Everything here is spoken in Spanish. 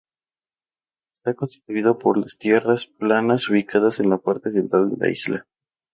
Está constituido por las tierras planas ubicadas en la parte central de la isla.